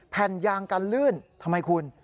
แผ่นยางกันลื่นทำไมคุณ